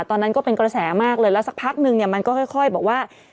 ตอนนั้นก็เป็นกระแสมากเลยแล้วสักพักนึงเนี่ยมันก็ค่อยบอกว่า